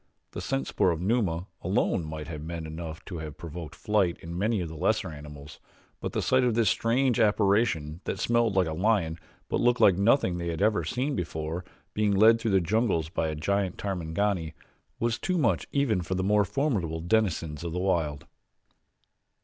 The scent spoor of Numa, alone, might have been enough to have provoked flight in many of the lesser animals, but the sight of this strange apparition that smelled like a lion, but looked like nothing they ever had seen before, being led through the jungles by a giant Tarmangani was too much for even the more formidable denizens of the wild.